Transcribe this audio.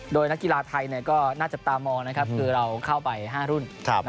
โดยนักกีฬาไทยก็น่าจะตามมองเราเข้าไป๕รุ่น